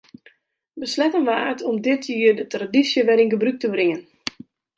Besletten waard om dit jier de tradysje wer yn gebrûk te bringen.